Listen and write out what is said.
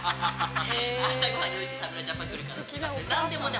「朝ごはん用意して侍ジャパン来るから」ってなんでもね